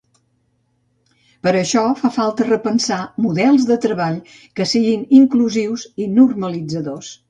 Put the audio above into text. Per això, fa falta repensar models de treball que siguin inclusius i normalitzadors.